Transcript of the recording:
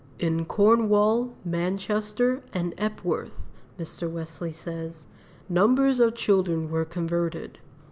"In Cornwall, Manchester, and Epworth," Mr. Wesley says, "numbers of children were converted."